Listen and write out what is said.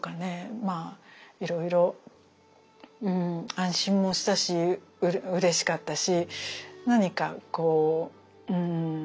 まあいろいろ安心もしたしうれしかったし何かこうそうね